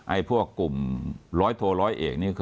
พวกกลุ่มร้อยโทร้อยเอกนี่